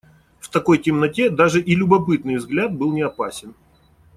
В такой темноте даже и любопытный взгляд был неопасен.